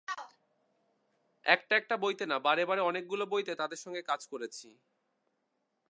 একটা একটা বইতে না, বারে বারে অনেকগুলো বইতে তাঁদের সঙ্গে কাজ করেছি।